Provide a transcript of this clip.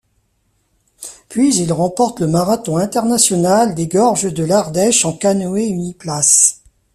Puis il remporte le marathon international des gorges de l'Ardèche en canoë uniplace.